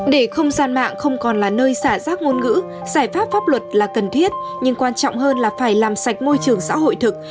để không gian mạng không còn là nơi xả rác ngôn ngữ giải pháp pháp luật là cần thiết nhưng quan trọng hơn là phải làm sạch môi trường xã hội thực